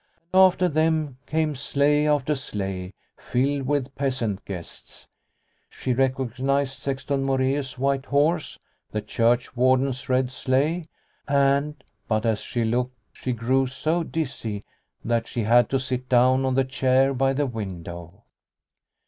After them came sleigh after sleigh filled with peasant guests. She recognised Sexton Moreus' white horse, the churchwarden's red sleigh, and But as she looked she grew so dizzy that she had to sit down on the chair by the window.